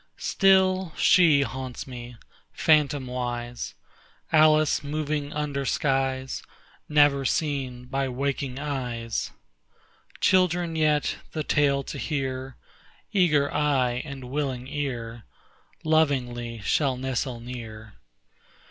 Still she haunts me, phantomwise, Alice moving under skies Never seen by waking eyes. Children yet, the tale to hear, Eager eye and willing ear, Lovingly shall nestle near.